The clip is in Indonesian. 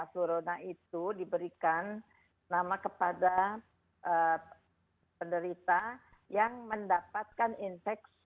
flu rona itu diberikan nama kepada penderita yang mendapatkan infeksi